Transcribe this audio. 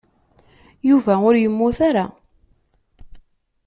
Yuba ur yemmut ara.